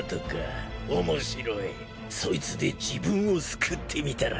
そいつで自分を救ってみたらどうだ？